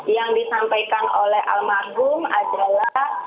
yang disampaikan oleh almarhum adalah